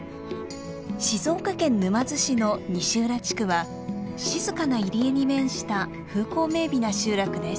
静岡県沼津市の西浦地区は静かな入り江に面した風光明美な集落です。